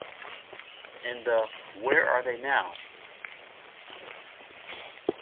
In the Where Are They Now?